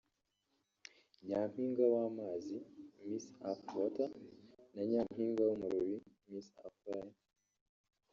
Nyampinga w’amazi (Miss Earth Water) na Nyampinga w’umuriro (Miss Earth Fire)